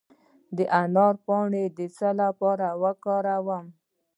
د انار پاڼې د څه لپاره وکاروم؟